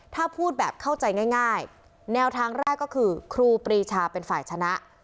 ถ้าพูดแบบเข้าใจง่ายแนวทางแรกก็คือครูปรีชาเป็นฝ่ายชนะ